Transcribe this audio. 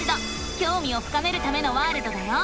きょうみを深めるためのワールドだよ！